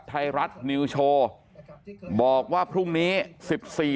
ไทยรัฐนิวโชว์บอกว่าพรุ่งนี้สิบสี่